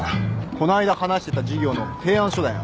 この間話してた事業の提案書だよ。